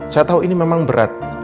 saya tahu ini memang berat